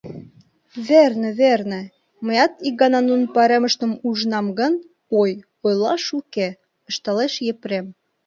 — Верне, верне, — мыят ик гана нунын пайремыштым ужынам гын, ой, ойлаш уке! — ышталеш Епрем.